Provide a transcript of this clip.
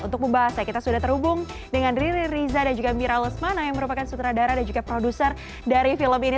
untuk membahasnya kita sudah terhubung dengan riri riza dan juga mira lesmana yang merupakan sutradara dan juga produser dari film ini